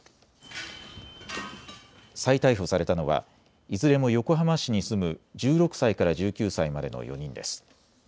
再逮捕されたのはいずれも横浜市に住む１６歳から１９歳までの４人です。